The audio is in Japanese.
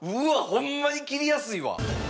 ホンマに切りやすいわ！